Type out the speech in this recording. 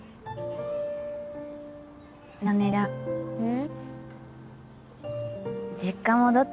うん。